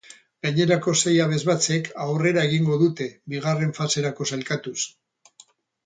Gainerako sei abesbatzek aurrera egingo dute, bigarren faserako sailkatuz.